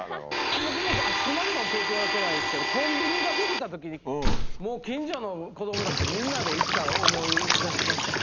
僕もあそこまでの経験はしてないですけど、コンビニが出来たときに、もう近所の子どもたちとみんなで行ったのを思い出しましたね。